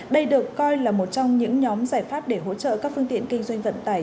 đây được coi là một trong những nhóm giải pháp để hỗ trợ các phương tiện kinh doanh vận tải